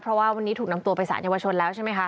เพราะว่าวันนี้ถูกนำตัวไปสารเยาวชนแล้วใช่ไหมคะ